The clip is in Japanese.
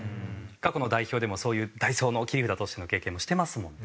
過去の代表でもそういう代走の切り札としての経験もしてますもんね。